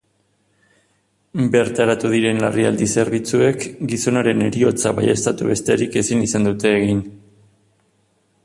Bertaratu diren larrialdi zerbitzuek gizonaren heriotza baieztatu besterik ezin izan dute egin.